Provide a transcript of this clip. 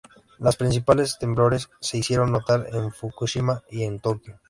Los principales temblores se hicieron notar en Fukushima y en Tokio.